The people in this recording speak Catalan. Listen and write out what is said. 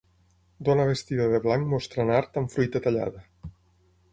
Dona vestida de blanc mostrant art amb fruita tallada.